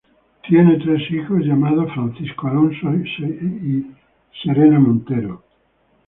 Tiene tres hijos llamados Francisco, Alfonso y Serena Montero.